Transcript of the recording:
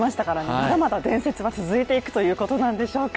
まだまだ伝説は続いていくということなんでしょうか。